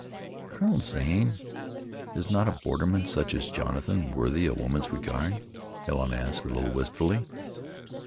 "Colonel Zane, is not a borderman such as Jonathan worthy a woman's regard?" Helen asked a little wistfully.